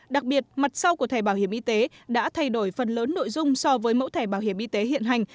đặc biệt mặt sau của thẻ bảo hiểm y tế đã thay đổi phần lớn nội dung so với mẫu thẻ bảo hiểm y tế hiện hành